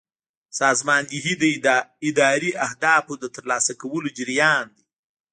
سازماندهي د اداري اهدافو د ترلاسه کولو جریان دی.